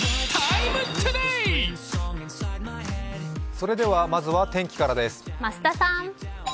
それでは、まずは天気からです。